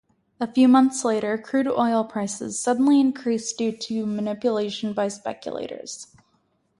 A few months later, crude oil prices suddenly increased due to manipulation by speculators.